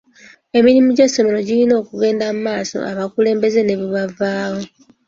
Emirimu gy'essomero girina okugenda mu maaso abakulembeze ne bwe bavaawo.